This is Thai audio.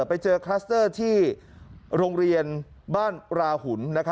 ไปเจอคลัสเตอร์ที่โรงเรียนบ้านราหุ่น